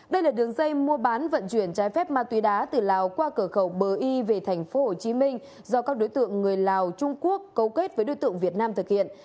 đây là đường dây mua bán vận chuyển trái phép ma túy đá từ lào qua cửa khẩu bờ y về thành phố hồ chí minh do các đối tượng người lào trung quốc cấu kết với đối tượng việt nam thực hiện